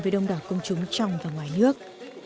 với đông đỏ công chúng trong và ngoài nước